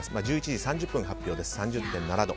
１１時３０分発表で３０．７度。